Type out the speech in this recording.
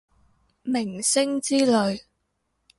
明星之類